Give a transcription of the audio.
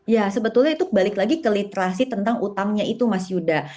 ya sebetulnya itu balik lagi ke literasi tentang utangnya itu mas yuda